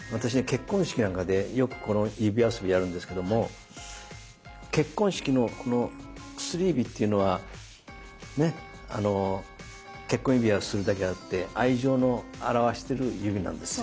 結婚式なんかでよくこの指遊びやるんですけども結婚式のこの薬指っていうのはね結婚指輪するだけあって愛情を表してる指なんです。